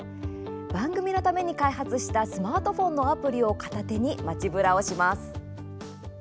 番組のために開発したスマートフォンのアプリを片手に街ブラをします。